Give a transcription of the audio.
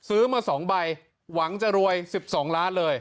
ซื้อมา๒ใบหวังจะรวย๑๒ล้านเลย